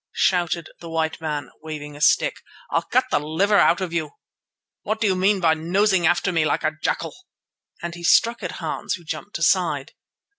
shouted the white man, waving a stick, "I'll cut the liver out of you. What do you mean by nosing about after me like a jackal?" And he struck at Hans, who jumped aside.